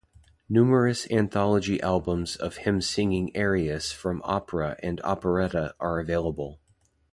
Numerous anthology albums of him singing arias from opera and operetta are available.